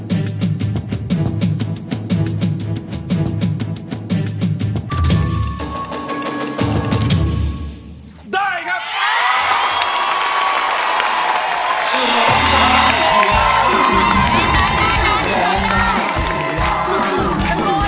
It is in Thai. เลขที่หนึ่งมูลค่า๑หมื่นบาทน้องสีหน้าร้อง